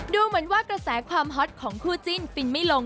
ดูเหมือนว่ากระแสความฮอตของคู่จิ้นฟินไม่ลง